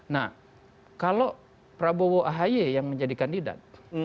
nah kalau prabowo ahy yang menjadi kandidat